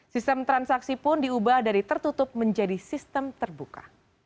sistem transaksi pun diubah dari tertutup menjadi sistem terbuka